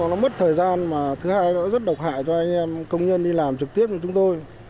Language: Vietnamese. nó mất thời gian mà thứ hai nó rất độc hại cho anh em công nhân đi làm trực tiếp với chúng tôi